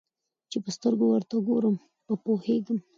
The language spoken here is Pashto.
چي په سترګو ورته ګورم په پوهېږم